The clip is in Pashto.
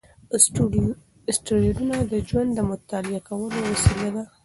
اسټروېډونه د ژوند د مطالعه کولو وسیله دي.